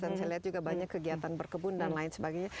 dan saya lihat juga banyak kegiatan berkebun dan lain sebagainya